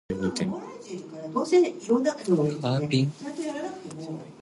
Katra serves as the base camp for pilgrims who visit Vaishno Devi.